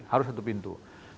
harus satu pintu